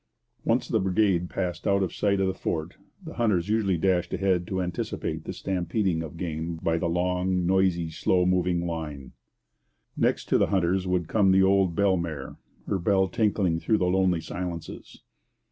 Once the brigade passed out of sight of the fort, the hunters usually dashed ahead to anticipate the stampeding of game by the long, noisy, slow moving line. Next to the hunters would come the old bell mare, her bell tinkling through the lonely silences.